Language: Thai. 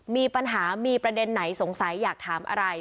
มีปัญหามีประเด็นไหนสงสัยอยากถามอะไร